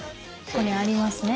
ここにありますね。